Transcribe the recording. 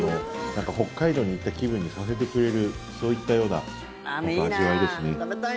北海道に行った気分にさせてくれるそういったような味わいですね。